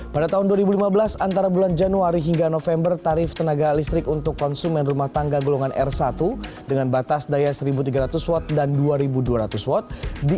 pada tahun dua ribu lima belas antara bulan januari hingga november tarif tenaga listrik untuk konsumen rumah tangga golongan r satu dengan batas daya satu tiga ratus watt dan dua dua ratus watt